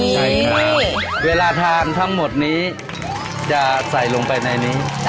ใช่ครับเวลาทานทั้งหมดนี้จะใส่ลงไปในนี้